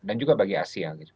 dan juga bagi asia